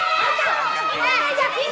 kelihatannya ini meja kita